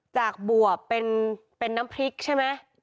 จากบวบเป็นน้ำพริกใช่ไหม